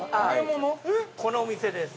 このお店です。